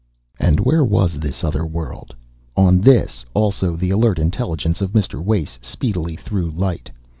And where was this other world? On this, also, the alert intelligence of Mr. Wace speedily threw light.